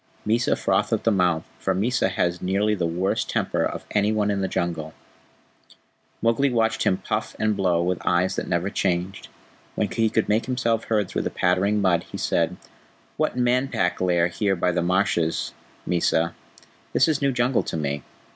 Mysa frothed at the mouth, for Mysa has nearly the worst temper of any one in the Jungle. Mowgli watched him puff and blow with eyes that never changed. When he could make himself heard through the pattering mud, he said: "What Man Pack lair here by the marshes, Mysa? This is new Jungle to me."